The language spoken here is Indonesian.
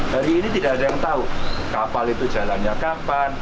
hari ini tidak ada yang tahu kapal itu jalannya kapan